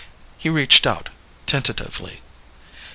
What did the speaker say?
He reached out tentatively.